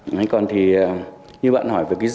nói còn thì như bạn hỏi về cái dòng